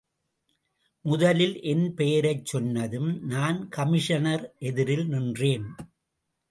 முதலில் என் பெயரைச்சொன்னதும் நான் கமிஷனர் எதிரில் நின்றேன்.